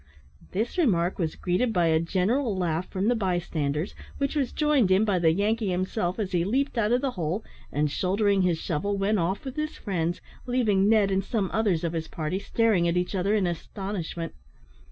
This remark was greeted by a general laugh from, the bystanders, which was joined in by the Yankee himself as he leaped out of the hole, and, shouldering his shovel, went off with his friends, leaving Ned and some others of his party staring at each other in astonishment.